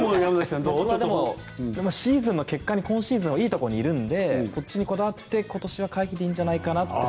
シーズンの結果に今シーズンいいところにいるのでそっちにこだわって、今年は回避でいいんじゃないかなって。